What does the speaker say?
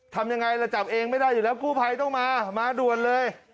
ทำยังไงล่ะจับเองไม่ได้อยู่แล้วกู้ภัยต้องมามาด่วนเลย